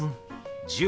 「１０」。